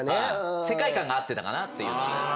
世界観が合ってたかなっていうので。